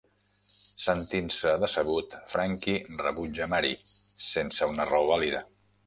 Sentint-se decebut, Frankie rebutja Mary sense una raó vàlida.